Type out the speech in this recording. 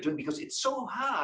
karena itu sangat sukar